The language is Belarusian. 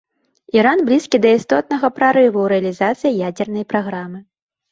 Іран блізкі да істотнага прарыву ў рэалізацыі ядзернай праграмы.